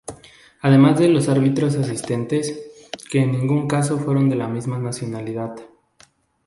Además de dos árbitros asistentes, que en ningún caso fueron de la misma nacionalidad.